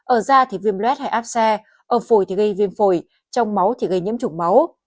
ở da thì viêm luet hay áp xe ở phổi thì gây viêm phổi trong máu thì gây nhiễm chủng máu